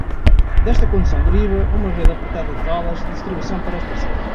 Desta condução deriva uma rede apertada de valas de distribuição para as parcelas.